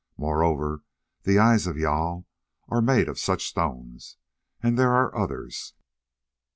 Moreover the eyes of Jâl are made of such stones, and there are others.